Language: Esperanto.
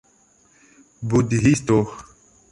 budhisto